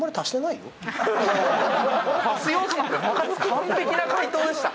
完璧な解答でした。